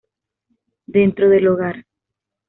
Dentro del Hogar